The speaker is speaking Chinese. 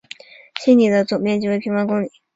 希尼的总面积为平方公里。